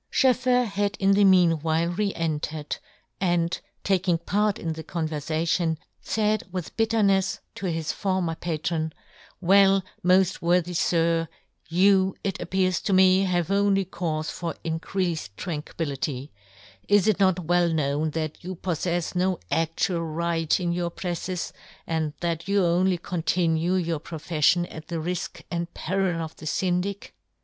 84 yohn Gutenberg. SchoefFer had in the meanwhile re entered, and, taking part in the converfation, faid with bitternefs to his former patron, " Well, moft " worthy fir, you, it appears to me, " have only caufe for increafed tran " quillity ; is it not well known that " you pofTefs no ad:ual right in your " prefTes, and that you only continue " your profeffion at the riik and " peril of the Syndic